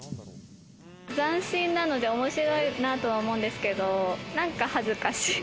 斬新なので面白いなとは思うんですけど、なんか恥ずかしい。